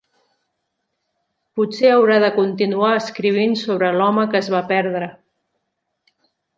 Potser haurà de continuar escrivint sobre l'home que es va perdre.